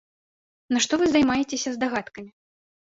Нашто вы займаецеся здагадкамі?